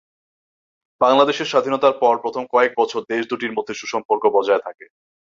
বাংলাদেশের স্বাধীনতার পর প্রথম কয়েক বছর দেশ দু'টির মধ্যে সুসম্পর্ক বজায় থাকে।